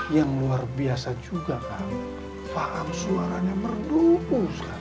yang luar biasa juga fa'am suaranya merduu sekali